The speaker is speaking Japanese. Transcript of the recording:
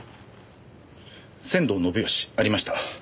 仙道信義ありました。